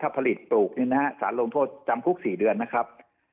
ผลิตปลูกสารลงโทษจำคุก๔เดือนนะครับ